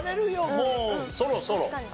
もうそろそろ。